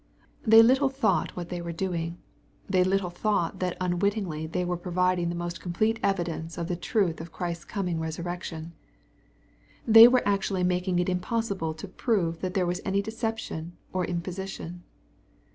They little thought what they were doing. They little thought that unwittingly they were providing the most complete evidence of the truth of Christ's coming resur rection. They were actually making it impossible to prove that there was any deception or imposition.